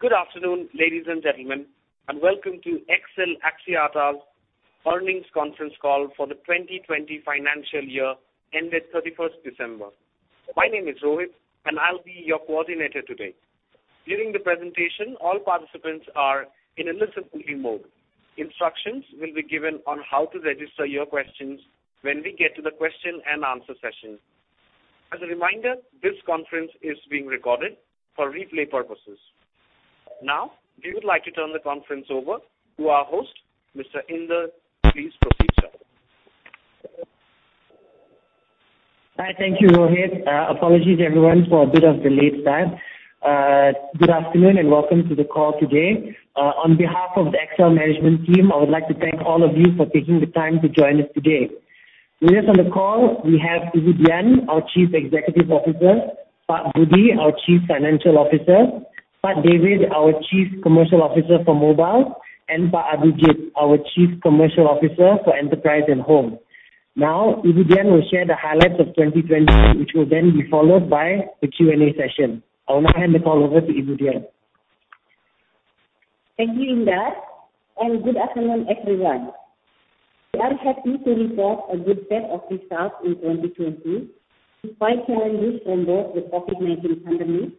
Good afternoon, ladies and gentlemen, and welcome to XL Axiata's Earnings Conference Call for the 2020 Financial Year ended 31st December. My name is Rohit, and I'll be your coordinator today. Now, we would like to turn the conference over to our host, Mr. Indar. Please proceed, sir. Hi. Thank you, Rohit. Apologies, everyone, for a bit of delayed start. Good afternoon, and welcome to the call today. On behalf of the XL management team, I would like to thank all of you for taking the time to join us today. With us on the call, we have Ibu Dian, our Chief Executive Officer, Pak Budi, our Chief Financial Officer, Pak David, our Chief Commercial Officer for Mobile, and Pak Abhijit, our Chief Commercial Officer for Enterprise and Home. Ibu Dian will share the highlights of 2020, which will then be followed by the Q&A session. I will now hand the call over to Ibu Dian. Thank you, Indar. Good afternoon, everyone. We are happy to report a good set of results in 2020, despite challenges from both the COVID-19 pandemic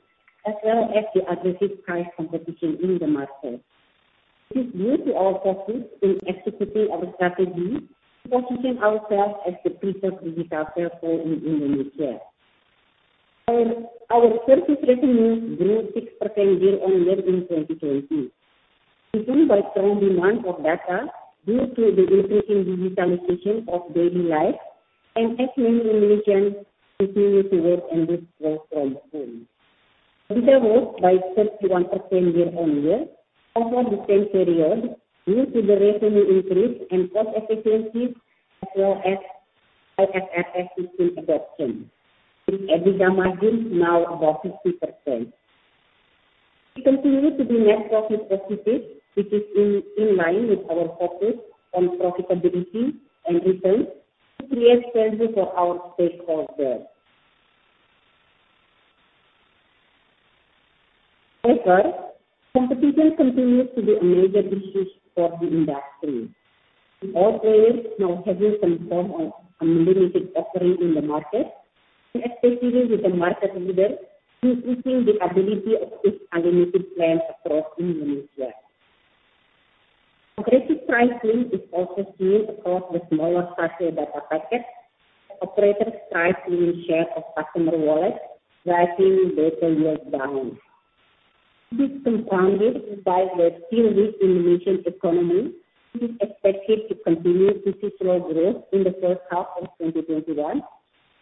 as well as the aggressive price competition in the market. This is due to our focus in executing our strategy to position ourselves as the preferred digital platform in Indonesia. Our service revenue grew 6% year-on-year in 2020, driven by strong demand for data due to the increasing digitalization of daily life and as many Indonesians continue to work and live work from home. EBITDA rose by 31% year-on-year over the same period due to the revenue increase and cost efficiencies, as well as IFRS 16 adoption, with EBITDA margin now above 50%. We continue to be net profit positive, which is in line with our focus on profitability and returns to create value for our stakeholders. Competition continues to be a major issue for the industry, with all players now having some form of unlimited offering in the market, especially with the market leader increasing the ability of its unlimited plans across Indonesia. Aggressive pricing is also seen across the smaller-sized data packets, with operators pricing a share of customer wallet, driving data yields down. Compounded by the still weak Indonesian economy, which is expected to continue to see slow growth in the first half of 2021,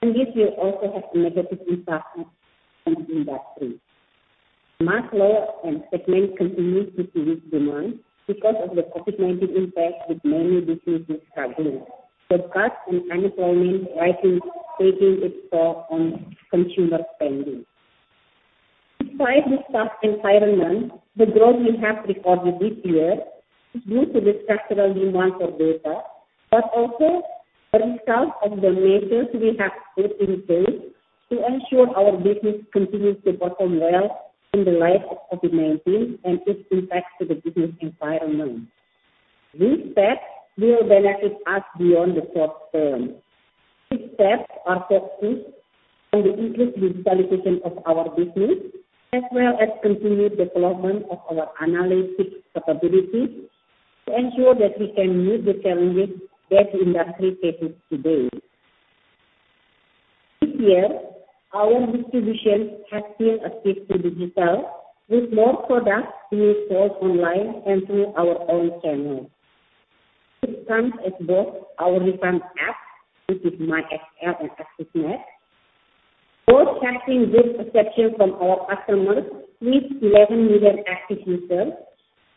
this will also have a negative impact on the industry. Mass lower-end segment continues to see weak demand because of the COVID-19 impact, with many businesses struggling. Cuts in unemployment rightly taking its toll on consumer spending. Despite this tough environment, the growth we have recorded this year is due to the structural demand for data, but also a result of the measures we have put in place to ensure our business continues to perform well in the light of COVID-19 and its impact to the business environment. These steps will benefit us beyond the short term. These steps are focused on the increased digitalization of our business as well as continued development of our analytics capabilities to ensure that we can meet the challenges that industry faces today. This year, our distribution has seen a shift to digital, with more products being sold online and through our own channels. This comes as both our recent apps, which is myXL and AXISnet, both have seen good reception from our customers, with 11 million active users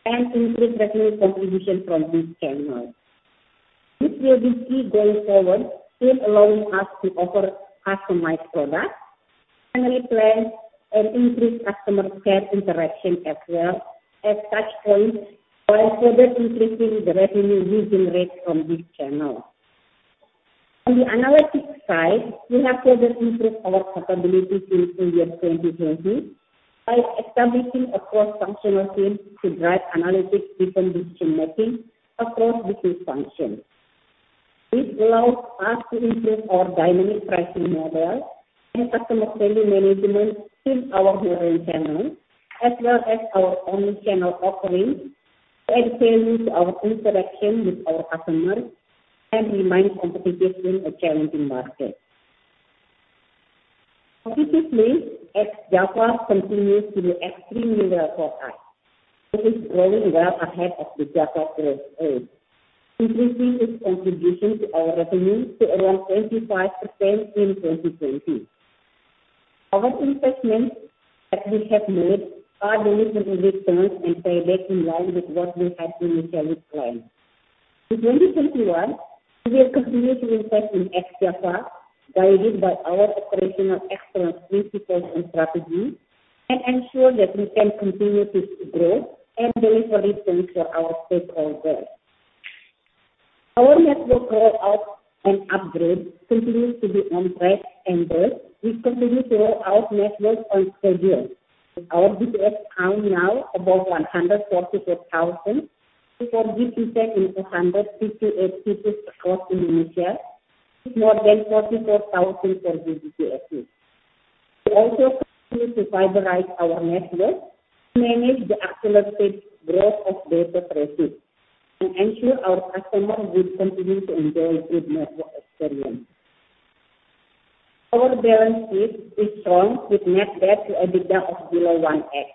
and increased revenue contribution from these channels. This will be key going forward in allowing us to offer customized products, monthly plans, and increased customer care interaction as well as touchpoints for further increasing the revenue we generate from these channels. On the analytics side, we have further improved our capabilities in the year 2020 by establishing a cross-functional team to drive analytics driven decision making across business functions. This allows us to improve our dynamic pricing model and customer spending management in our current channels, as well as our own channel offerings to enhance our interaction with our customers and remain competitive in a challenging market. Competitively, Ex-Java continues to do extremely well for us. It is growing well ahead of the Java OpCos, increasing its contribution to our revenue to around 25% in 2020. Our investments that we have made are delivering good returns and payback in line with what we had initially planned. In 2021, we will continue to invest in Ex-Java, guided by our operational excellence principles and strategy, and ensure that we can continue to see growth and deliver returns for our stakeholders. Our network roll out and upgrade continues to be on track and we continue to roll out networks on schedule. Our BTS count now above 144,000. 4G coverage in 168 cities across Indonesia, with more than 44,000 4G BTSes. We also continue to fiberize our network to manage the accelerated growth of data traffic and ensure our customers will continue to enjoy good network experience. Our balance sheet is strong with net debt to EBITDA of below 1x.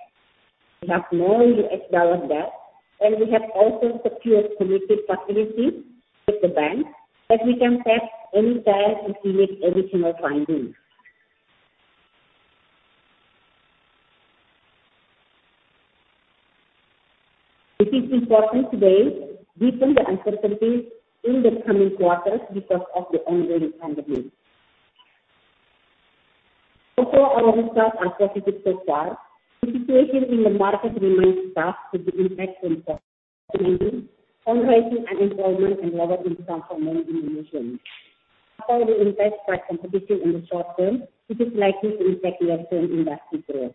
We have no US dollar debt, and we have also secured committed facilities with the bank that we can tap anytime if we need additional funding. It is important to note deeper the uncertainties in the coming quarters because of the ongoing pandemic. Although our results are positive so far, the situation in the market remains tough with the impact from COVID-19 on pricing and employment and lower income for many Indonesians. While we expect tight competition in the short term, it is likely to impact the overall industry growth.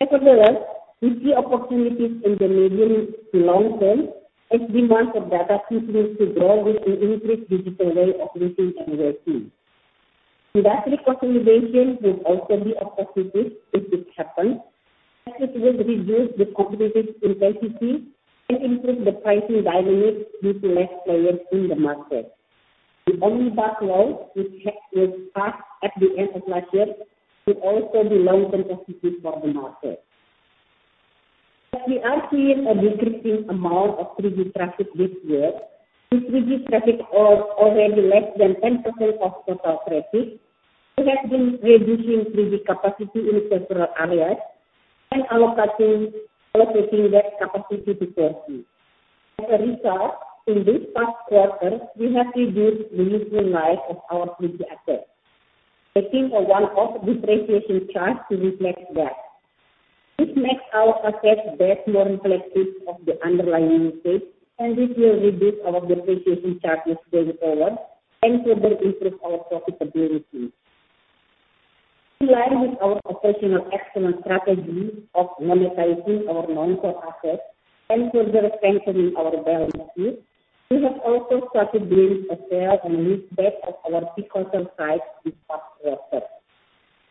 Nevertheless, we see opportunities in the medium to long term as demand for data continues to grow with an increased digital way of living and working. Industry consolidation will also be a positive if it happens, as it will reduce the competitive intensity and improve the pricing dynamics with less players in the market. The Omnibus Law, which was passed at the end of last year, could also be long-term positive for the market. As we are seeing a decreasing amount of 3G traffic this year, with 3G traffic already less than 10% of total traffic, we have been reducing 3G capacity in several areas and allocating that capacity to 4G. As a result, in this past quarter, we have reduced the useful life of our 3G assets, taking a one-off depreciation charge to reflect that. This makes our asset base more reflective of the underlying usage, this will reduce our depreciation charges going forward and further improve our profitability. In line with our operational excellence strategy of monetizing our non-core assets and further strengthening our balance sheet, we have also started doing a sale and leaseback of our passive sites this past quarter.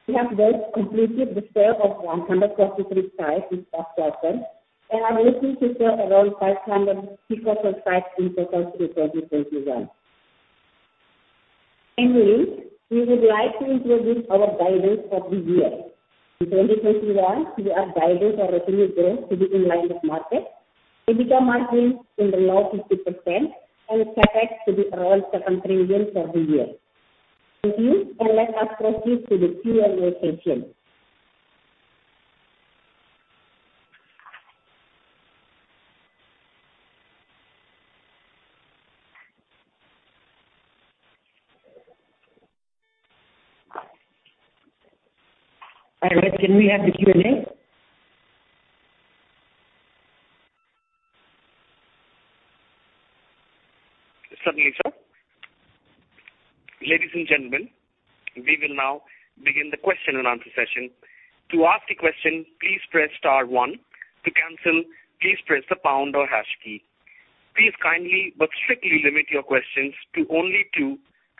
We have thus completed the sale of 143 sites this past quarter and are looking to sell around 500 passive sites in total through 2021. We would like to introduce our guidance for this year. In 2021, we are guiding for revenue growth to be in line with market, EBITDA margin in the low 50% and CapEx to be around seven trillion for the year. Thank you. Let us proceed to the Q&A session. Operator, can we have the Q&A? Certainly, sir. Ladies and gentlemen, we will now begin the question and answer session. To ask a question, please press star one. To cancel, please press the pound or hash key. Please kindly, but strictly limit your questions to only 2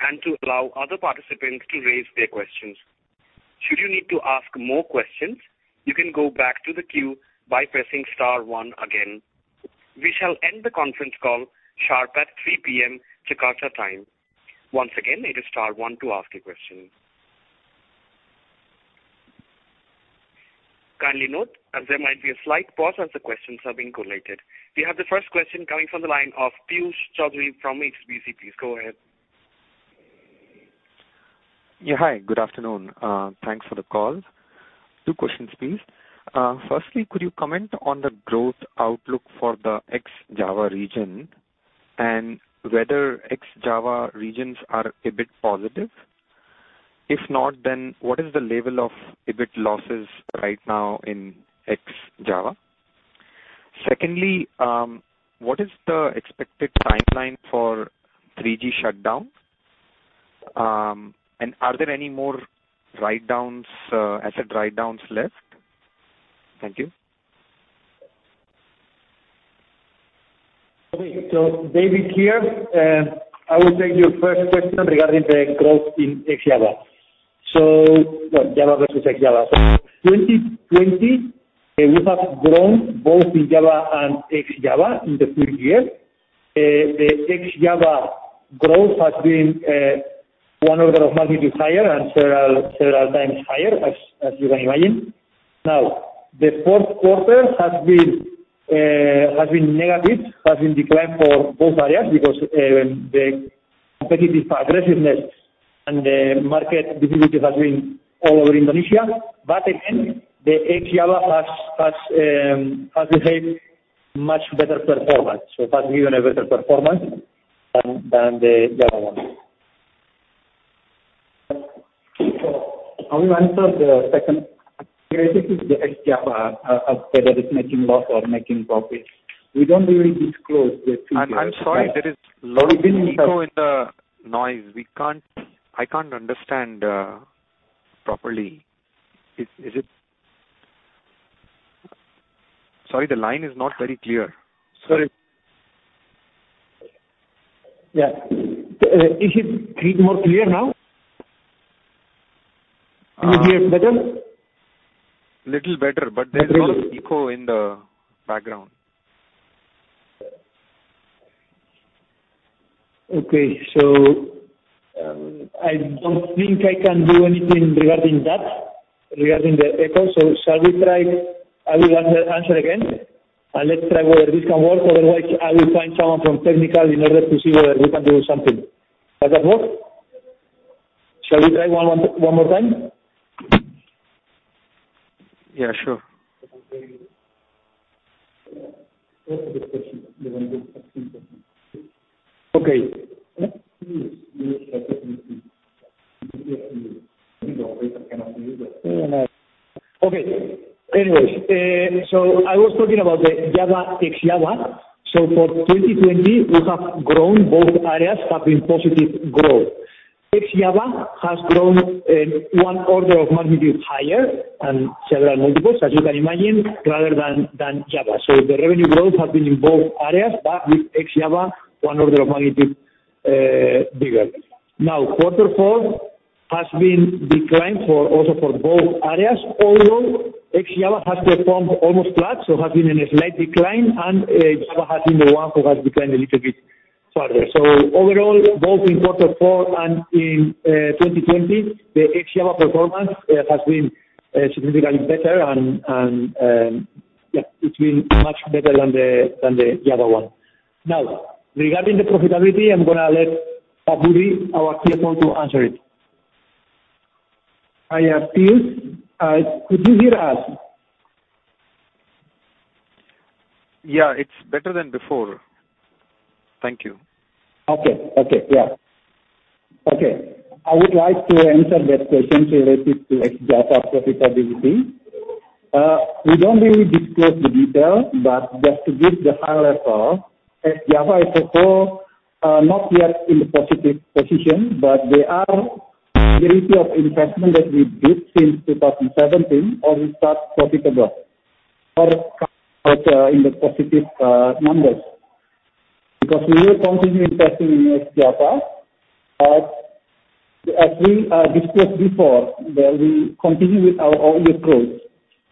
and to allow other participants to raise their questions. Should you need to ask more questions, you can go back to the queue by pressing star one again. We shall end the conference call sharp at 3:00 P.M. Jakarta time. Once again, it is star one to ask a question. Kindly note that there might be a slight pause as the questions are being collated. We have the first question coming from the line of Piyush Choudhary from HSBC. Please go ahead. Yeah. Hi, good afternoon. Thanks for the call. Two questions, please. Firstly, could you comment on the growth outlook for the Ex-Java region and whether Ex-Java regions are EBIT positive? If not, then what is the level of EBIT losses right now in Ex-Java? Secondly, what is the expected timeline for 3G shutdown? Are there any more asset write-downs left? Thank you. Okay, David here, I will take your first question regarding the growth in Ex-Java. Java versus Ex-Java. 2020, we have grown both in Java and Ex-Java in the full year. The Ex-Java growth has been one order of magnitude higher and several times higher as you can imagine. Now, the fourth quarter has been negative, has been declined for both areas because the competitive aggressiveness and the market difficulty has been all over Indonesia. Again, the Ex-Java has behaved much better performance. It has given a better performance than the Java one. I will answer the second. Related to the Ex-Java, whether it's making loss or making profit. We don't really disclose the figures. I'm sorry. There is a lot of echo in the noise. I can't understand properly. Sorry, the line is not very clear. Sorry. Yeah. Is it more clear now? Is it better? Little better, but there's a lot of echo in the background. Okay. I don't think I can do anything regarding that, regarding the echo. Shall we try I will answer again, and let's try whether this can work. Otherwise, I will find someone from technical in order to see whether we can do something. Does that work? Shall we try one more time? Yeah, sure. I was talking about the Java, Ex-Java. For 2020, we have grown, both areas have been positive growth. Ex-Java has grown one order of magnitude higher and several multiples, as you can imagine, rather than Java. The revenue growth has been in both areas, but with Ex-Java one order of magnitude bigger. Quarter four has been declined also for both areas, although Ex-Java has performed almost flat, so has been in a slight decline, and Java has been the one who has declined a little bit further. Overall, both in quarter four and in 2020, the Ex-Java performance has been significantly better and it's been much better than the Java one. Regarding the profitability, I'm going to let Budi, our CFO, to answer it. Hi, Budi. Could you hear us? Yeah, it's better than before. Thank you. Okay. Yeah. Okay. I would like to answer that question related to Ex-Java profitability. We don't really disclose the details. Just to give the high level, Ex-Java is still not yet in the positive position. They are the result of investment that we did since 2017, already start profitable or in the positive numbers. We will continue investing in Ex-Java. As we discussed before, we continue with our OU approach.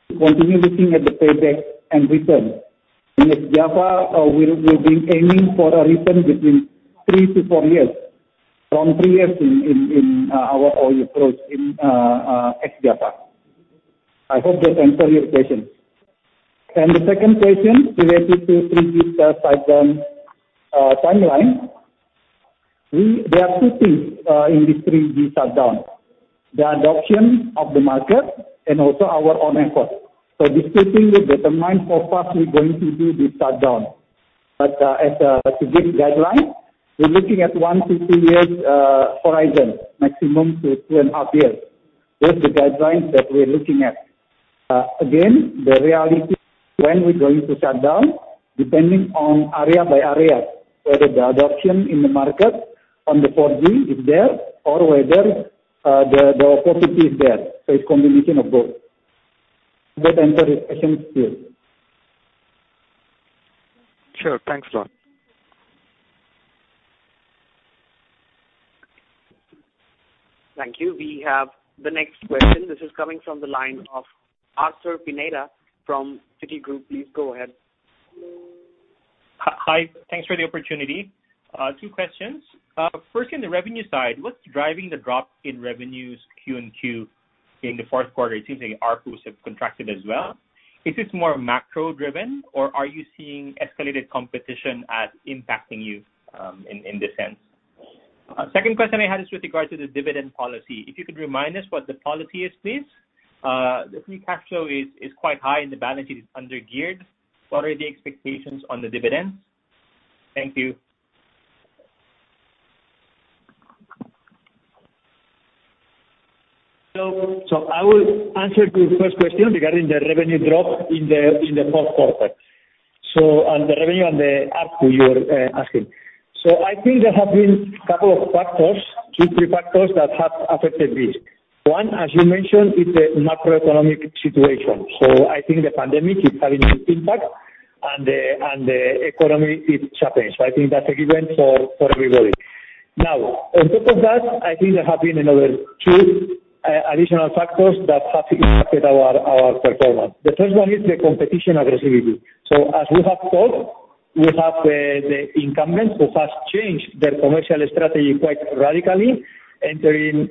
We continue looking at the payback and return. In Ex-Java, we've been aiming for a return between 3-4 years, from 3 years in our OU approach in Ex-Java. I hope that answer your question. The second question related to 3G shutdown timeline. There are two things in this 3G shutdown, the adoption of the market and also our own efforts. These two things will determine how fast we're going to do the shutdown. To give guidelines, we're looking at one to two years horizon, maximum to two and a half years. Those are the guidelines that we're looking at. The reality when we're going to shut down, depending on area by area, whether the adoption in the market on the 4G is there or whether the capacity is there. It's combination of both. That answer your question, Piyush. Sure. Thanks a lot. Thank you. We have the next question. This is coming from the line of Arthur Pineda from Citigroup. Please go ahead. Hi. Thanks for the opportunity. Two questions. First, on the revenue side, what's driving the drop in revenues QoQ in the fourth quarter? It seems like ARPU have contracted as well. Is this more macro-driven or are you seeing escalated competition as impacting you in this sense? Second question I had is with regards to the dividend policy. If you could remind us what the policy is, please. The free cash flow is quite high and the balance sheet is under-geared. What are the expectations on the dividends? Thank you. I will answer the first question regarding the revenue drop in the fourth quarter, on the revenue and the ARPU you're asking. I think there have been couple of factors, two, three factors that have affected this. One, as you mentioned, is the macroeconomic situation. I think the pandemic is having an impact and the economy is sharpness. I think that's a given for everybody. Now, on top of that, I think there have been another two additional factors that have impacted our performance. The 1st one is the competition aggressively. As we have said, we have the incumbents who have changed their commercial strategy quite radically, entering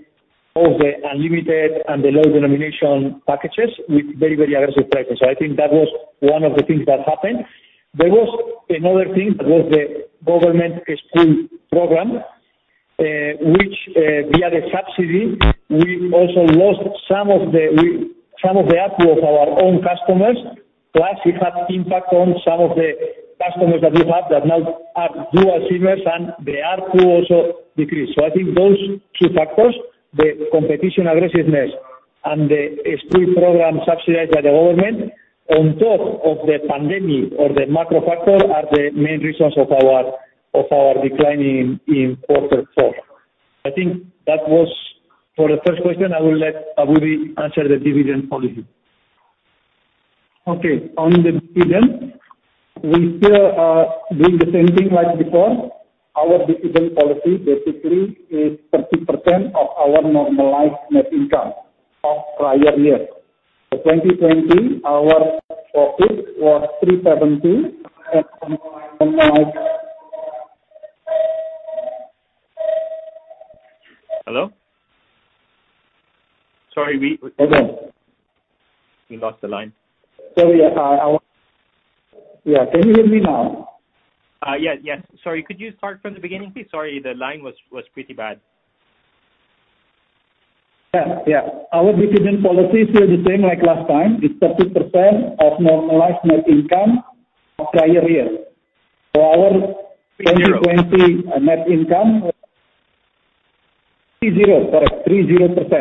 both the unlimited and the low denomination packages with very aggressive prices. I think that was one of the things that happened. There was another thing that was the government school program, which via the subsidy, we also lost some of the ARPU of our own customers. It had impact on some of the customers that we have that now are dual SIM-ers, and they are to also decrease. I think those two factors, the competition aggressiveness and the school program subsidized by the government, on top of the pandemic or the macro factor, are the main reasons of our decline in quarter four. I think that was for the first question. I will let Budi answer the dividend policy. On the dividend, we still are doing the same thing like before. Our dividend policy basically is 30% of our normalized net income of prior year. 2020, our profit was IDR 370. Hello? Sorry. Hello. We lost the line. Sorry, Yeah, can you hear me now? Yes. Sorry, could you start from the beginning, please? Sorry, the line was pretty bad. Yeah. Our dividend policy is still the same like last time. It's 30% of normalized net income of prior year. 2020 net income 30, correct. 30%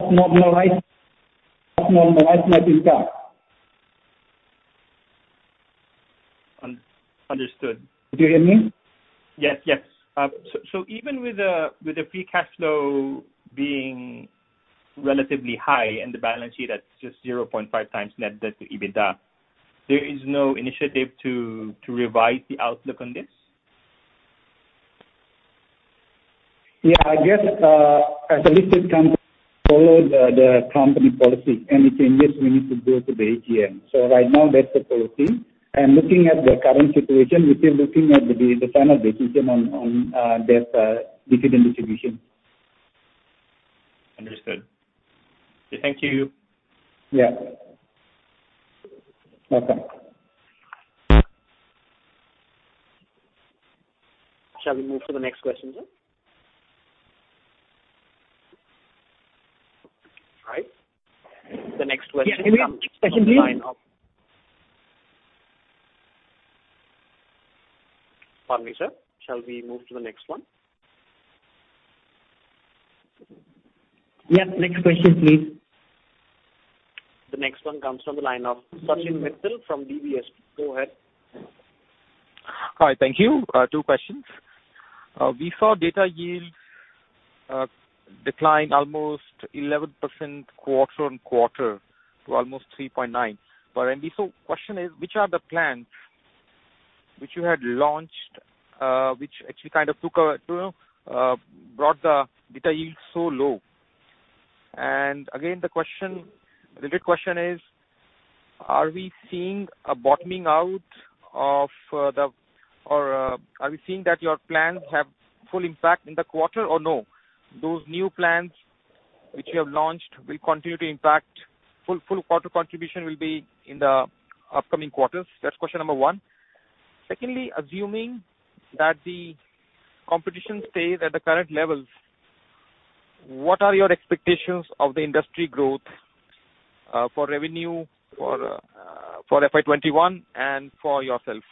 of normalized net income. Understood. Do you hear me? Yes. Even with the free cash flow being relatively high and the balance sheet at just 0.5x net debt to EBITDA, there is no initiative to revise the outlook on this? Yeah, I guess, as a listed company, follow the company policy. Any changes, we need to go to the AGM. Right now, that's the policy. Looking at the current situation, we're still looking at the final decision on that dividend distribution. Understood. Okay, thank you. Yeah. Welcome. Shall we move to the next question, sir? Right. The next question comes from the line. Pardon me, sir. Shall we move to the next one? Yes, next question, please. The next one comes from the line of Sachin Mittal from DBS. Go ahead. Hi. Thank you. Two questions. We saw data yield decline almost 11% quarter-on-quarter to almost 3.9. For Indosat, question is, which are the plans which you had launched, which actually brought the data yield so low? Again, the related question is, are we seeing a bottoming out or are we seeing that your plans have full impact in the quarter or no? Those new plans which you have launched will continue to impact, full quarter contribution will be in the upcoming quarters? That's question number 1. Secondly, assuming that the competition stays at the current levels, what are your expectations of the industry growth for revenue for FY21 and for yourself?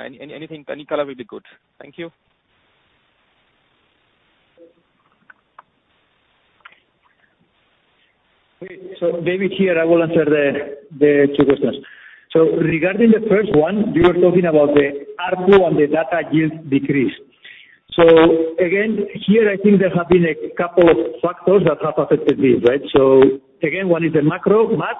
Anything, any color will be good. Thank you. Okay, David here, I will answer the two questions. Regarding the first one, you were talking about the ARPU and the data yield decrease. Again, here, I think there have been a couple of factors that have affected this, right? Again, one is the macro, but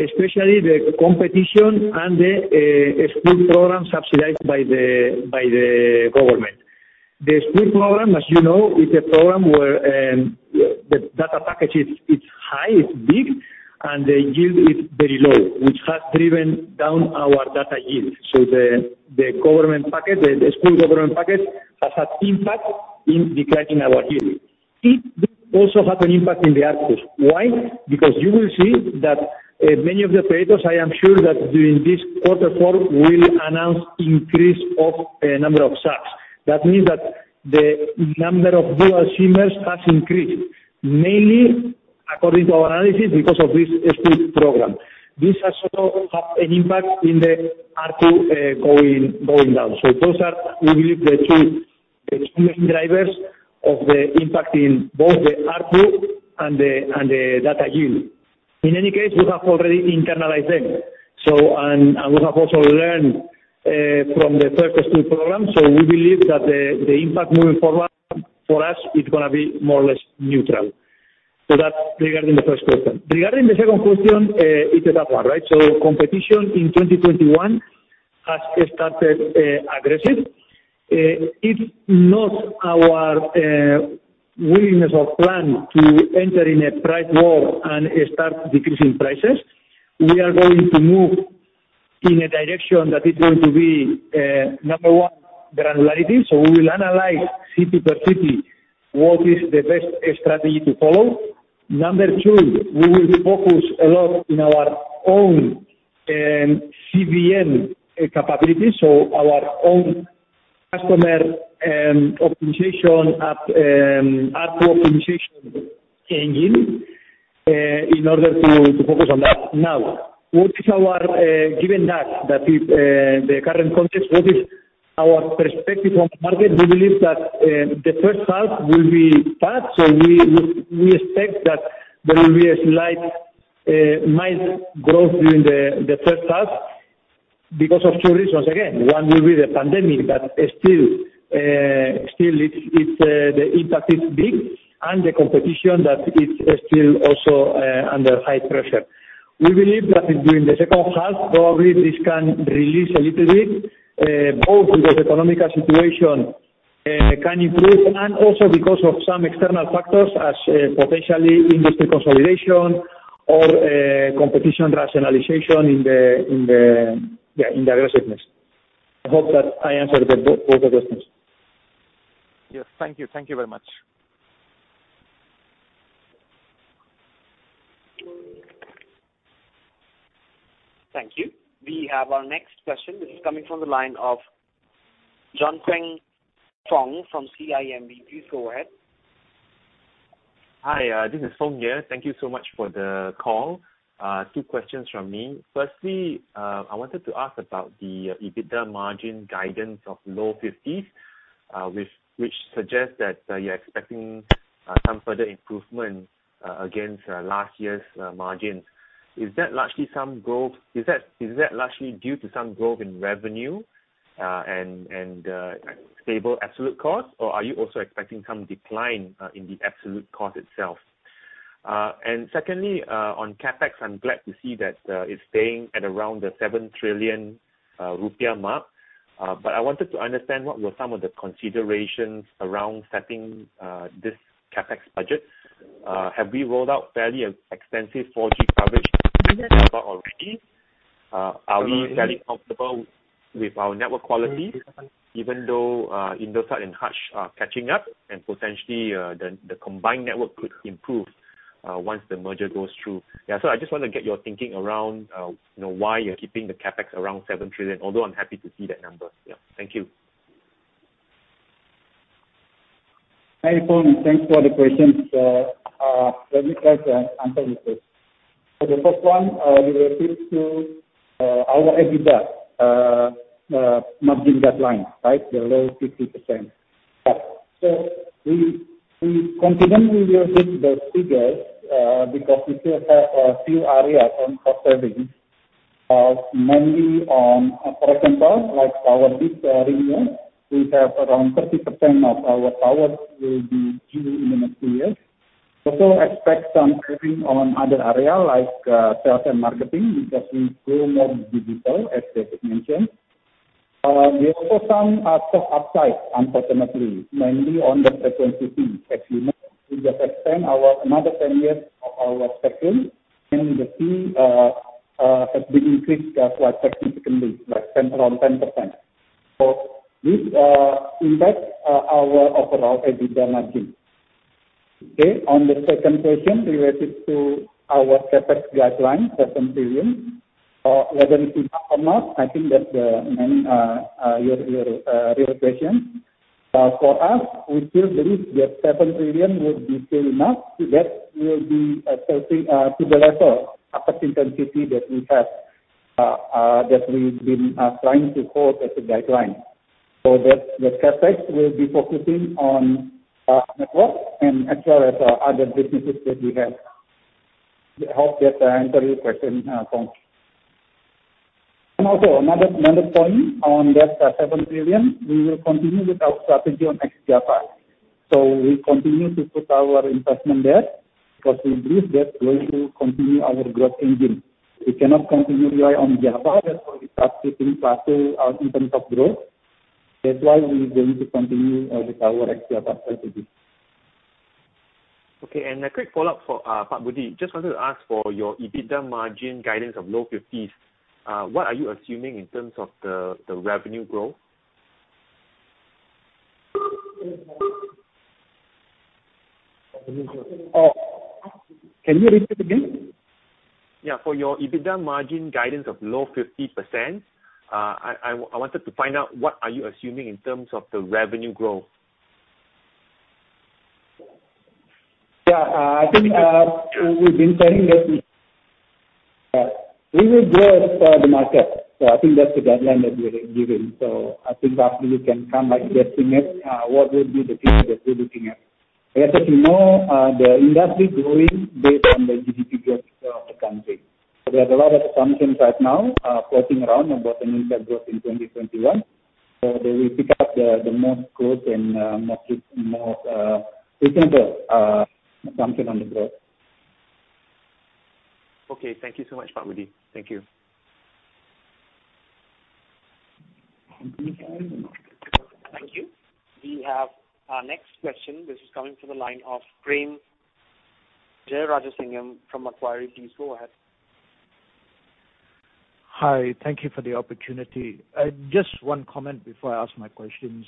especially the competition and the school program subsidized by the government. The school program, as you know, is a program where the data package is high, it's big, and the yield is very low, which has driven down our data yield. The school government package has had impact in declining our yield. It also had an impact in the ARPU. Why? Because you will see that many of the operators, I am sure that during this quarter four will announce increase of number of subs. That means that the number of dual SIM-ers has increased, mainly, according to our analysis, because of this school program. This has also had an impact in the ARPU going down. Those are, we believe, the two main drivers of the impact in both the ARPU and the data yield. In any case, we have already internalized them, and we have also learned from the first school program. We believe that the impact moving forward, for us, it's going to be more or less neutral. That's regarding the first question. Regarding the second question, it's a tough one, right? Competition in 2021 has started aggressive. It's not our willingness or plan to enter in a price war and start decreasing prices. We are going to move in a direction that is going to be, number 1, granularity. We will analyze city per city what is the best strategy to follow. Number 2, we will focus a lot on our own CVM capabilities, so our own Customer optimization, app optimization changing in order to focus on that. Given that the current context, what is our perspective on the market? We believe that the first half will be bad. We expect that there will be a slight, mild growth during the first half because of two reasons. One will be the pandemic that is still, the impact is big, and the competition that is still also under high pressure. We believe that during the second half, probably this can release a little bit, both because economic situation can improve and also because of some external factors as potentially industry consolidation or competition rationalization in the aggressiveness. I hope that I answered both the questions. Yes. Thank you. Thank you very much. Thank you. We have our next question. This is coming from the line of Foong Choong Chen from CIMB. Please go ahead. Hi, this is Foong here. Thank you so much for the call. Two questions from me. Firstly, I wanted to ask about the EBITDA margin guidance of low 50s, which suggests that you're expecting some further improvement against last year's margins. Is that largely due to some growth in revenue and stable absolute cost, or are you also expecting some decline in the absolute cost itself? Secondly, on CapEx, I'm glad to see that it's staying at around the 7 trillion rupiah mark. I wanted to understand what were some of the considerations around setting this CapEx budget. Have we rolled out fairly extensive 4G coverage already? Are we fairly comfortable with our network quality even though Indosat and Hutch are catching up and potentially, the combined network could improve once the merger goes through? Yeah, I just want to get your thinking around why you're keeping the CapEx around 7 trillion, although I'm happy to see that number. Yeah. Thank you. Hi, Foong. Thanks for the question of the considerations wereions. Let me try to answer this. The first one related to our EBITDA margin guideline, the low 50%. We're confident with those figures because we still have a few areas on cost-saving, mainly on operational parts like our lease renewal. We have around 30% of our towers will be due in the next two years. Also expect some saving on other area like sales and marketing because we go more digital, as David mentioned. There are also some cost upside, unfortunately, mainly on the frequency fee. As you know, we just extend another 10 years of our spectrum, and the fee has been increased quite significantly, like around 10%. This impacts our overall EBITDA margin. On the second question related to our CapEx guideline, IDR 7 trillion, whether it's enough or not, I think that's mainly your real question. For us, we still believe that 7 trillion would be fair enough. That will be to the level of CapEx intensity that we've been trying to hold as a guideline. That the CapEx will be focusing on network and as well as other businesses that we have. I hope that answered your question, Foong. Another point on that 7 trillion, we will continue with our strategy on Ex-Java. We continue to put our investment there because we believe that's going to continue our growth engine. We cannot continue to rely on Java. That's why we are shifting faster in terms of growth. That's why we're going to continue with our Ex-Java strategy. Okay, a quick follow-up for Pak Budi. Just wanted to ask for your EBITDA margin guidance of low 50s, what are you assuming in terms of the revenue growth? Oh, can you repeat again? Yeah. For your EBITDA margin guidance of low 50%, I wanted to find out what are you assuming in terms of the revenue growth? Yeah. I think we've been saying that we will grow as per the market. I think that's the guideline that we are giving. I think after you can come back to estimate what will be the figure that we're looking at. We are taking more the industry growing based on the GDP growth of the country. There's a lot of assumptions right now floating around about an impact growth in 2021. They will pick up the more growth and more reasonable assumption on the growth. Okay. Thank you so much, Pak Budi. Thank you. Thank you. We have our next question. This is coming from the line of Prem Jearajasingam from Macquarie. Please go ahead. Hi. Thank you for the opportunity. Just one comment before I ask my questions.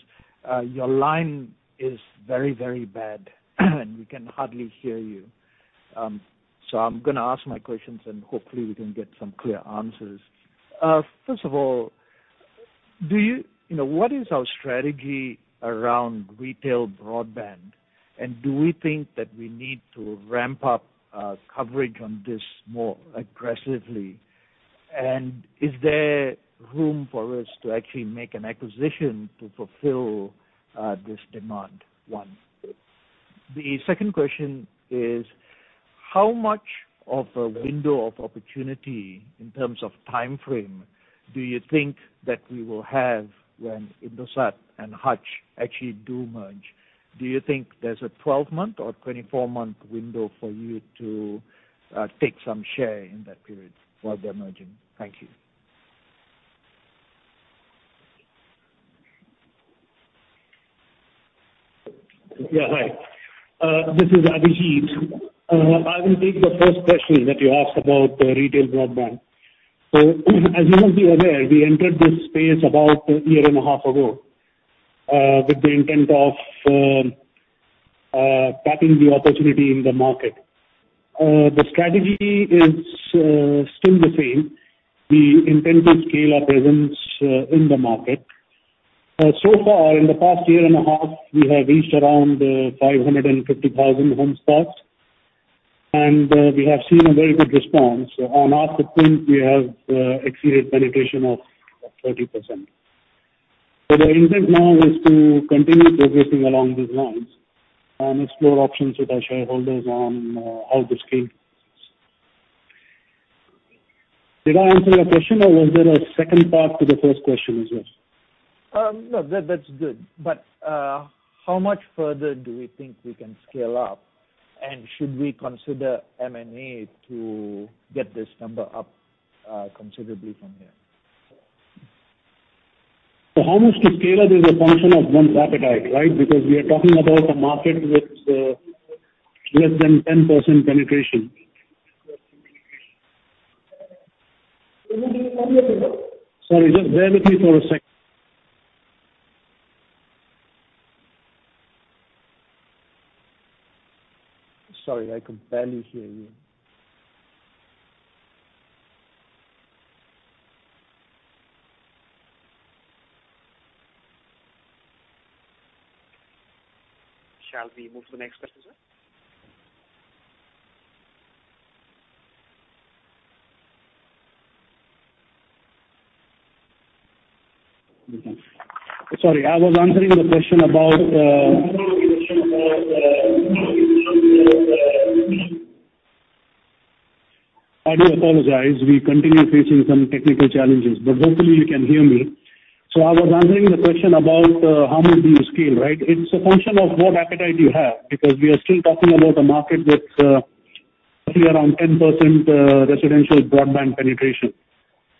Your line is very, very bad, and we can hardly hear you. I'm going to ask my questions, and hopefully we can get some clear answers. First of all, what is our strategy around retail broadband, and do we think that we need to ramp up coverage on this more aggressively? Is there room for us to actually make an acquisition to fulfill this demand? One. The second question is, how much of a window of opportunity, in terms of timeframe, do you think that we will have when Indosat and Hutch actually do merge? Do you think there's a 12-month or 24-month window for you to take some share in that period while they're merging? Thank you. Yeah. Hi. This is Abhijit. I will take the first question that you asked about retail broadband. As you must be aware, we entered this space about a year and a half ago, with the intent of tapping the opportunity in the market. The strategy is still the same. We intend to scale our presence in the market. So far, in the past year and a half, we have reached around 550,000 home spots, and we have seen a very good response. On our footprint, we have exceeded penetration of 30%. The intent now is to continue progressing along these lines and explore options with our shareholders on how to scale. Did I answer your question, or was there a second part to the first question as well? No, that's good. How much further do we think we can scale up? Should we consider M&A to get this number up considerably from here? How much to scale up is a function of one's appetite, right? We are talking about a market with less than 10% penetration. Sorry, just bear with me for a sec. Sorry, I can barely hear you. Shall we move to the next question, sir? Sorry, I was answering the question about. I do apologize. We continue facing some technical challenges. Hopefully you can hear me. I was answering the question about how much do you scale, right? It's a function of what appetite you have, because we are still talking about a market with roughly around 10% residential broadband penetration.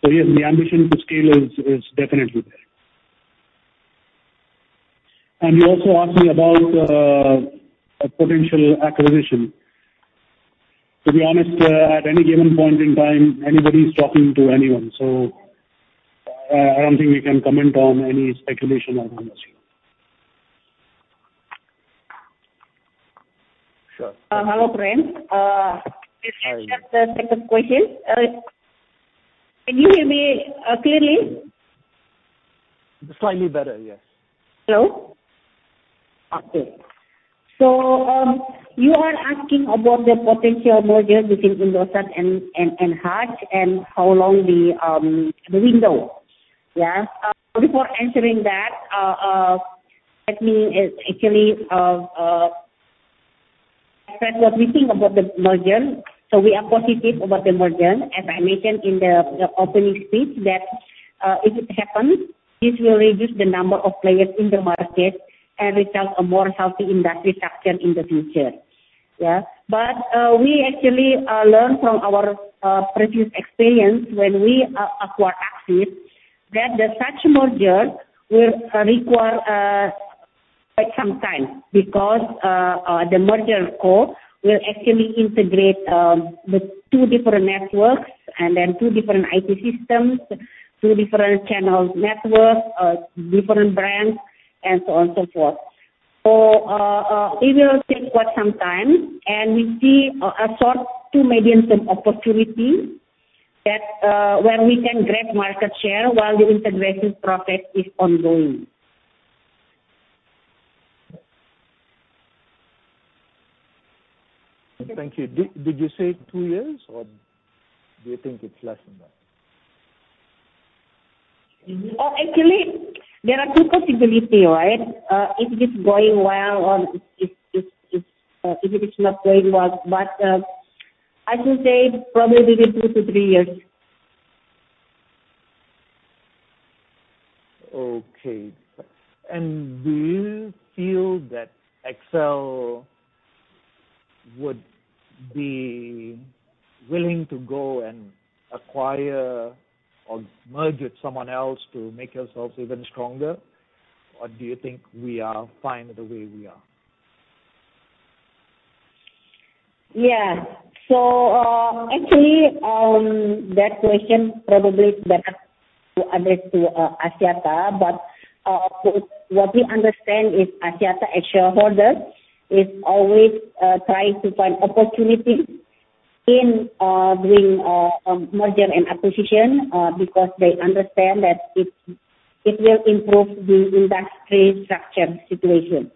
Yes, the ambition to scale is definitely there. You also asked me about a potential acquisition. To be honest, at any given point in time, anybody's talking to anyone. I don't think we can comment on any speculation on the matter. Sure. Hello, prem. Hi. This is just a second question. Can you hear me clearly? Slightly better, yes. Hello? Okay. You are asking about the potential merger between Indosat and Hutch, and how long the window? Yeah. Before answering that, let me actually address what we think about the merger. We are positive about the merger, as I mentioned in the opening speech, that if it happens, this will reduce the number of players in the market and result in a healthier industry structure in the future. Yeah. We actually learned from our previous experience when we acquired Axis that such mergers will require quite some time, because the merger core will actually integrate the two different networks and then two different IT systems, two different channel networks, different brands, and so on, so forth. It will take quite some time, and we see a short to medium-term opportunity where we can grab market share while the integration process is ongoing. Thank you. Did you say two years, or do you think it's less than that? Actually, there are two possibilities here, right? If it is going well or if it is not going well. I should say probably within two to three years. Okay. Do you feel that XL would be willing to go and acquire or merge with someone else to make ourselves even stronger, or do you think we are fine the way we are? Yeah. actually On that question, probably it is better to address to Axiata, but what we understand is Axiata as shareholder is always trying to find opportunities in doing merger and acquisition because they understand that it will improve the industry structure situation.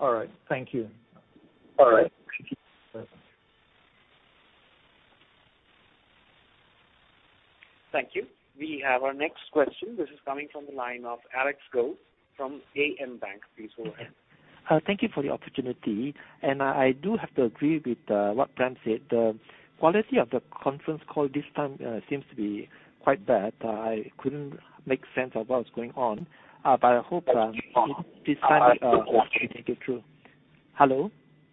All right. Thank you. All right. Thank you. We have our next question. This is coming from the line of Alex Goh from AmBank. Please go ahead. Thank you for the opportunity. I do have to agree with what Prem said. The quality of the conference call this time seems to be quite bad. I couldn't make sense of what was going on. I hope, Prem, this time it will be true. Hello?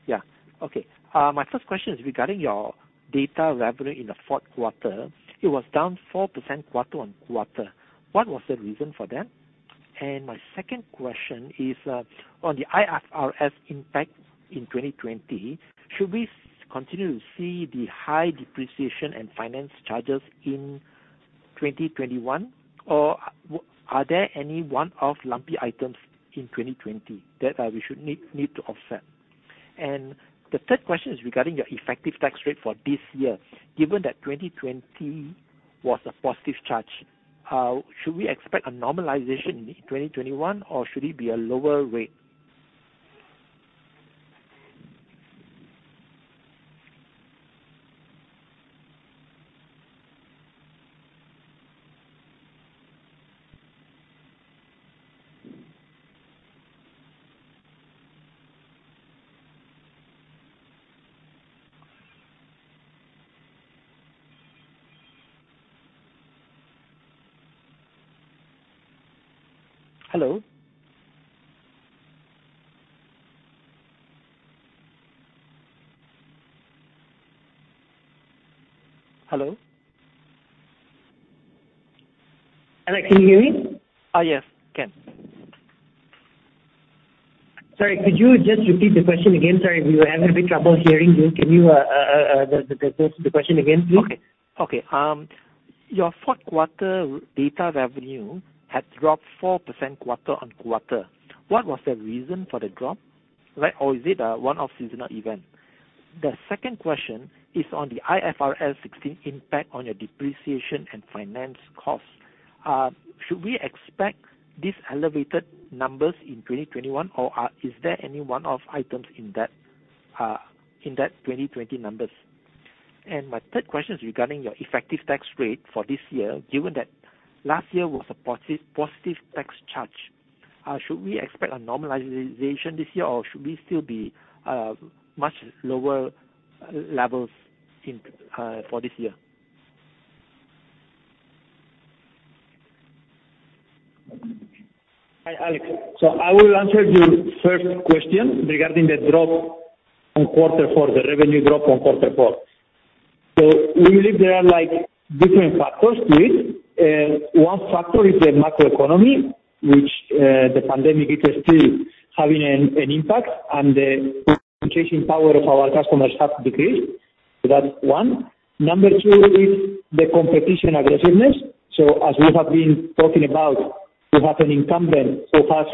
Yeah. Okay. My first question is regarding your data revenue in the fourth quarter. It was down 4% quarter-on-quarter. What was the reason for that? My second question is, on the IFRS impact in 2020, should we continue to see the high depreciation and finance charges in 2021, or are there any one-off lumpy items in 2020 that we should need to offset? The third question is regarding your effective tax rate for this year. Given that 2020 was a positive charge, should we expect a normalization in 2021, or should it be a lower rate? Hello? Hello? Alex, can you hear me? Yes. Can. Sorry, could you just repeat the question again? Sorry, we were having a bit trouble hearing you. Can you pose the question again, please? Okay. Your fourth quarter data revenue had dropped 4% quarter-on-quarter. What was the reason for the drop? Is it a one-off seasonal event? The second question is on the IFRS 16 impact on your depreciation and finance cost. Should we expect these elevated numbers in 2020, or is there any one-off items in that 2020 numbers? My third question is regarding your effective tax rate for this year, given that last year was a positive tax charge. Should we expect a normalization this year, or should we still be much lower levels for this year? Hi, Alex. I will answer your first question regarding the drop on quarter four, the revenue drop on quarter four. We believe there are different factors to it. One factor is the macro economy, which the pandemic it is still having an impact, and the purchasing power of our customers have decreased. That's one. Number 2 is the competition aggressiveness. As we have been talking about, we have an incumbent who has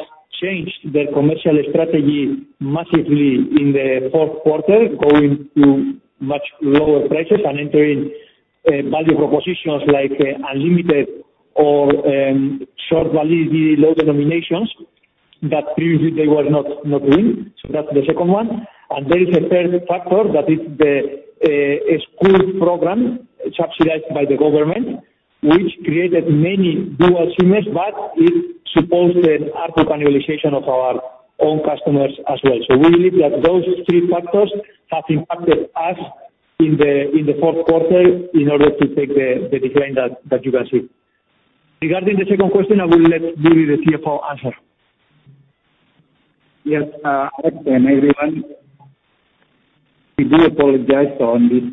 changed their commercial strategy massively in the fourth quarter, going to much lower prices and entering value propositions like unlimited or short validity low denominations that previously they were not doing. That's the second one. There is a third factor that is the school program subsidized by the government, which created many dual SIM-ers, but it imposed an ARPU cannibalization of our own customers as well. We believe that those three factors have impacted us in the fourth quarter in order to take the decline that you can see. Regarding the second question, I will let Budi, the CFO, answer. Yes, Alex, and everyone. We do apologize on this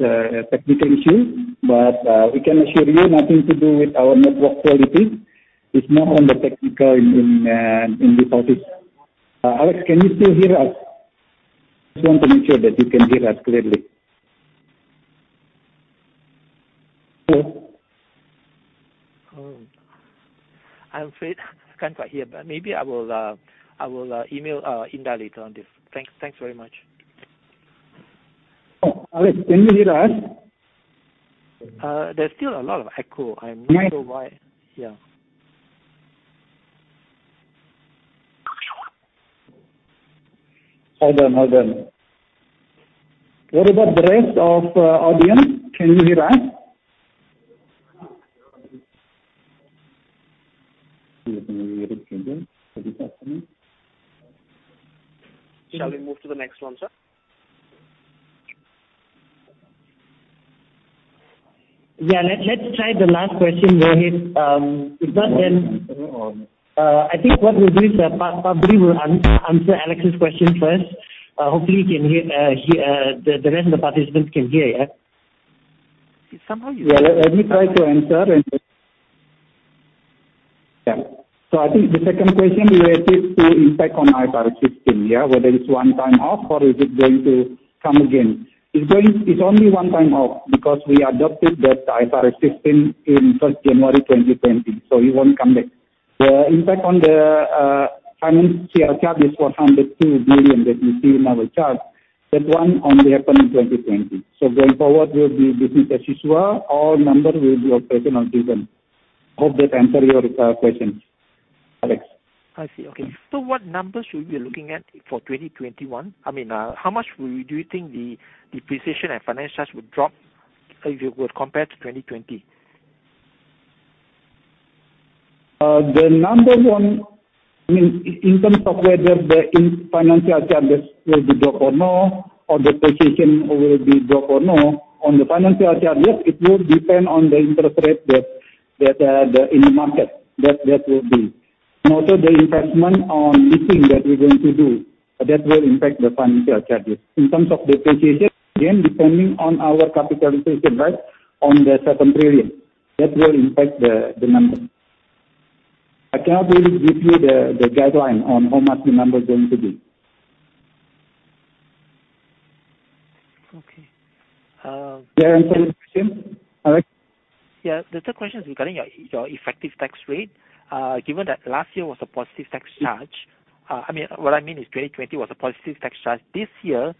technical issue, but we can assure you nothing to do with our network quality. It's more on the technical in this office. Alex, can you still hear us? I just want to make sure that you can hear us clearly. Hello? I'm afraid I can't quite hear, but maybe I will email Indar later on this. Thanks very much. Alex, can you hear us? There's still a lot of echo. I'm not sure why. Yeah. Hold on. What about the rest of audience? Can you hear us? We have a little problem with the customer. Shall we move to the next one, sir? Yeah, let's try the last question, Rohit. Then I think what we'll do is Budi will answer Alex's question first. Hopefully, the rest of the participants can hear, yeah. Let me try to answer. I think the second question related to impact on IFRS 16. Whether it's one time off or is it going to come again. It's only one time off because we adopted that IFRS 16 in first January 2020, it won't come back. The impact on the financial charge is 402 million that you see in our chart. That one only happened in 2020. Going forward, it will be business as usual. All numbers will be operating on season. Hope that answer your question, Alex. I see. Okay. What numbers should we be looking at for 2021? How much do you think the depreciation and financial charges would drop if you were to compare to 2020? In terms of whether the financial charges will be dropped or not, or depreciation will be dropped or not, on the financial charges, it will depend on the interest rate in the market, that will be. Also the investment on the thing that we're going to do, that will impact the financial charges. In terms of depreciation, again, depending on our capitalization, right, on the 7 trillion. That will impact the number. I cannot really give you the guideline on how much the number is going to be. Okay. Did I answer your question, Alex? Yeah. The third question is regarding your effective tax rate. Given that last year was a positive tax charge. What I mean is 2020 was a positive tax charge. This year,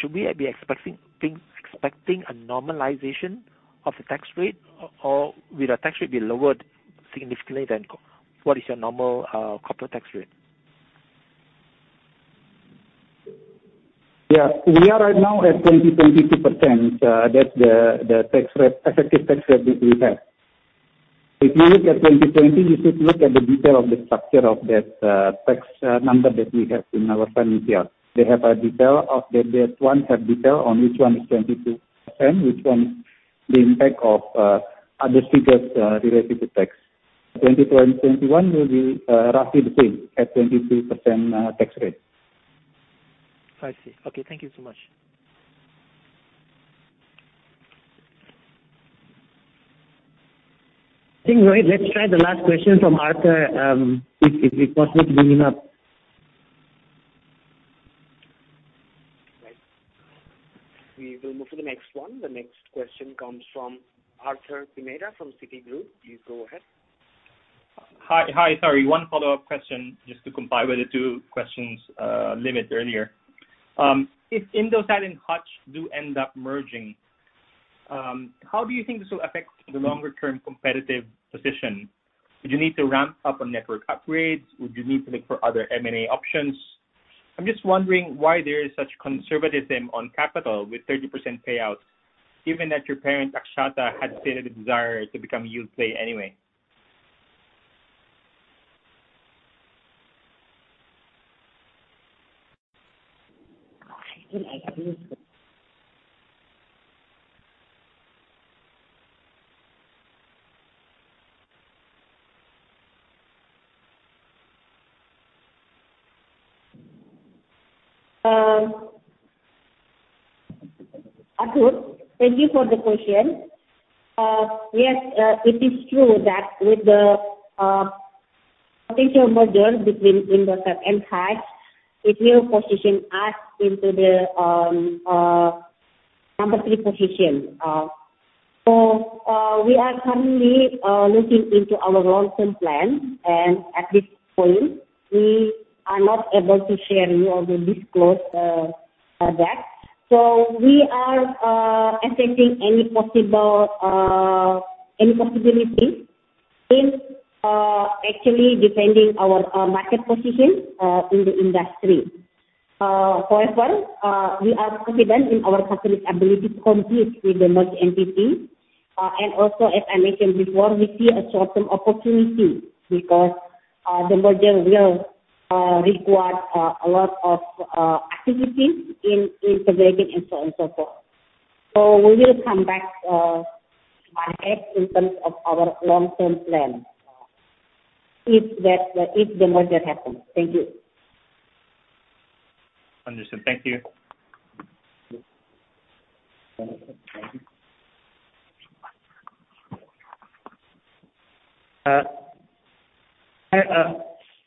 should we be expecting a normalization of the tax rate, or will the tax rate be lowered significantly than what is your normal corporate tax rate? Yeah. We are right now at 22%, that's the effective tax rate that we have. If you look at 2020, you should look at the detail of the structure of that tax number that we have in our financial. That one have detail on which one is 22%, which one is the impact of other figures related to tax. 2021 will be roughly the same, at 22% tax rate. I see. Okay, thank you so much. I think, Roy, let's try the last question from Arthur, if it's possible to bring him up. Right. We will move to the next one. The next question comes from Arthur Pineda from Citigroup. Please go ahead. Hi. Sorry, one follow-up question just to comply with the two-question limit earlier. If Indosat and Hutch do end up merging, how do you think this will affect the longer-term competitive position? Would you need to ramp up on network upgrades? Would you need to look for other M&A options? I'm just wondering why there is such conservatism on capital with 30% payouts, given that your parent, Axiata, had stated a desire to become a yield play anyway. Arthur, thank you for the question. Yes, it is true that with the potential merger between Indosat and Hutch, it will position us into the number three position. We are currently looking into our long-term plan, and at this point, we are not able to share or disclose that. We are assessing any possibility in actually defending our market position in the industry. However, we are confident in our company's ability to compete with the merged entity. Also, as I mentioned before, we see a short-term opportunity because the merger will require a lot of activities in integrating and so on and so forth. We will come back to market in terms of our long-term plan, if the merger happens. Thank you. Understood. Thank you.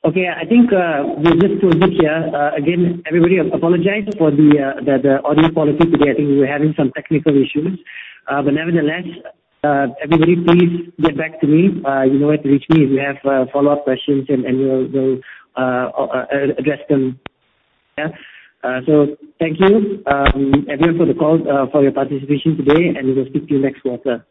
Okay. I think we'll just close it here. Again, everybody, I apologize for the audio quality today. I think we're having some technical issues. Nevertheless, everybody please get back to me. You know where to reach me if you have follow-up questions, and we'll address them. Yeah. Thank you, everyone, for the call, for your participation today, and we will speak to you next quarter.